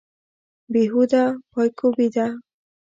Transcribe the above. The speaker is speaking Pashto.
بې هوده پایکوبي ده.